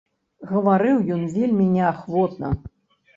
Гаварыў ён вельмі неахвотна.